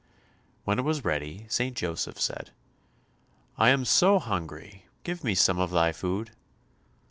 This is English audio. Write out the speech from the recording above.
When it was ready, St. Joseph said, "I am so hungry; give me some of thy food."